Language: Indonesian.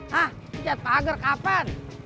hah ngecat pagar kapan